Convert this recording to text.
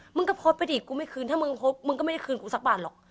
มึงก็พบไปดิกูไม่คืนถ้ามึงพบมึงก็ไม่ได้คืนกูสักบาทหรอก